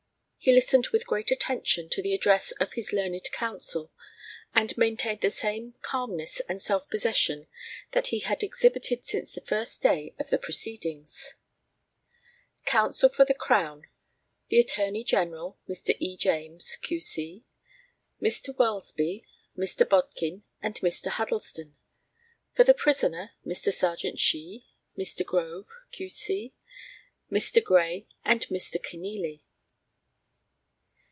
He listened with great attention to the address of his learned counsel, and maintained the same calmness and self possession that he had exhibited since the first day of the proceedings. Counsel for the Crown the Attorney General, Mr. E. James, Q. C., Mr. Welsby, Mr. Bodkin, and Mr. Huddleston; for the prisoner Mr. Serjeant Shee, Mr. Grove. Q. C., Mr. Gray, and Mr. Kenealy.